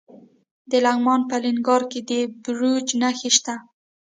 د لغمان په الینګار کې د بیروج نښې شته.